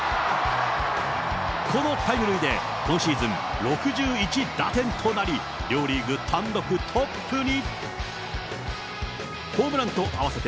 このタイムリーで今シーズン６１打点となり、両リーグ単独トップに。